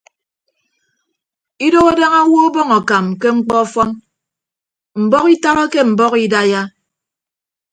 Idooho daña owo ọbọñ akam ke mkpọ ọfọn mbọhọ itabake mbọhọ idaiya.